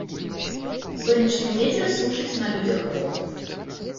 Сонечны вецер сушыць на людзях пот.